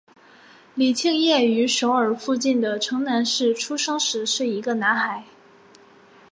李庆烨于首尔附近的城南市出生时是一个男孩。